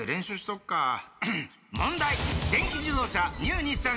問題！